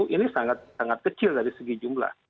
ini sangat sangat kecil dari segi jumlah